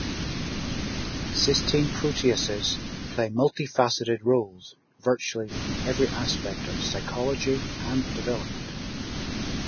Cysteine proteases play multi-faceted roles, virtually in every aspect of physiology and development.